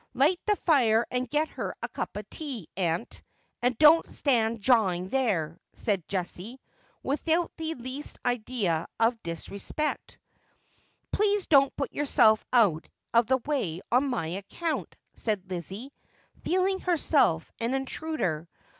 ' Light the fire and get her a cup of tea, aunt, and don't stand jawing there,' said Jessie, without the least idea of disrespect. ' Please don't put yourself out of the way on my account,' said Lizzie, feeling herself an intruder.